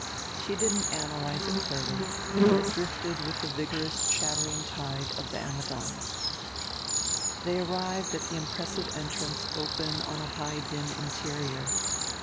She didn't analyze it further; but drifted with the vigorous chattering tide of the Ammidons. They arrived at the impressive entrance open on a high dim interior.